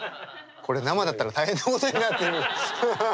これ生だったら大変なことになってる。